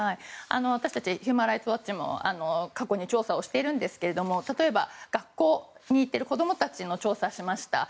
私たちヒューマン・ライツ・ウォッチも過去に調査をしているんですけど例えば、学校に行っている子供たちの調査をしました。